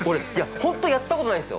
◆ほんと、やったことないんすよ。